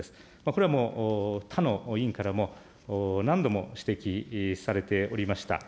これはもう、他の委員からも何度も指摘されておりました。